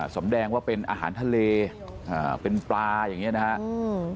แสดงว่าเป็นอาหารทะเลอ่าเป็นปลาอย่างนี้นะครับ